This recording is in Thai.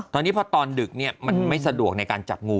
ตอนนี้พอตอนดึกมันไม่สะดวกในการจับงู